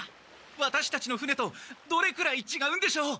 ワタシたちの船とどれくらいちがうんでしょう？